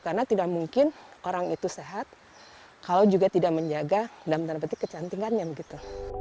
karena tidak mungkin orang itu sehat kalau juga tidak menjaga dan menarik kecantikannya begitu